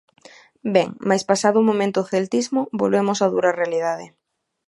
Ben, mais pasado o momento 'celtismo', volvemos á dura realidade.